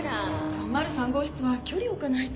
４０３号室とは距離置かないと。